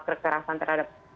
peristiwa kekerasan terhadap